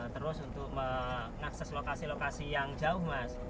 terus untuk mengakses lokasi lokasi yang jauh mas